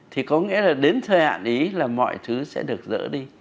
thì có nghĩa là đến thời hạn ý là mọi thứ sẽ được dỡ đi